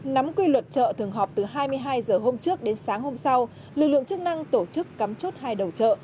nắm quy luật chợ thường họp từ hai mươi hai h hôm trước đến sáng hôm sau lực lượng chức năng tổ chức cắm chốt hai đầu chợ